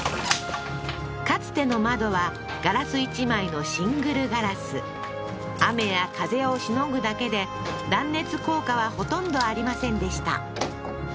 かつての窓はガラス１枚のシングルガラス雨や風をしのぐだけで断熱効果はほとんどありませんでした